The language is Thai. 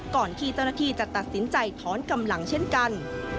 ก่อนที่เจ้าหน้าที่จะตัดสินใจถอนกำลังเช่นกัน